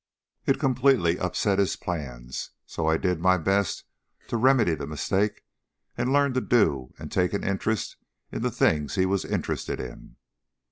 It completely upset his plans. So I did my best to remedy the mistake and learn to do and to take an interest in the things he was interested in."